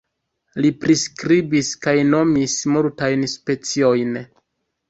Li priskribis kaj nomis multajn speciojn.